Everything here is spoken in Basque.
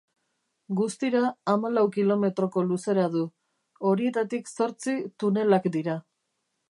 Guztira hamalau kilometroko luzera du, horietatik zortzi tunelak dira.